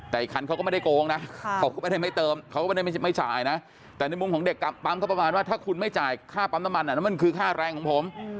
แต่อีกคันเขาก็ไม่ได้โกงนะเขาก็ไม่ได้ไม่เติมเขาก็ไม่ได้ไม่จ่ายนะแต่ในมุมของเด็กกลับปั๊มเขาประมาณว่าถ้าคุณไม่จ่ายค่าปั๊มน้ำมันมันคือค่าแรงของผม